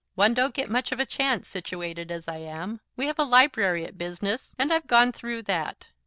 One don't get much of a chance, situated as I am. We have a library at business, and I've gone through that.